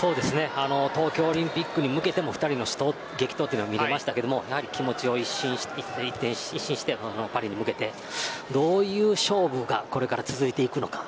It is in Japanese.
東京オリンピックに向けても２人の死闘、激闘は見れましたが気持ちを一新してパリに向けてどういった勝負がこれから続いていくのか。